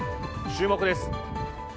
注目です。